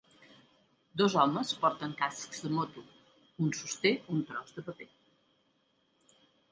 Dos homes porten cascs de moto, un sosté un tros de paper.